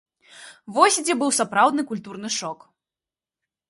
Вось дзе быў сапраўдны культурны шок!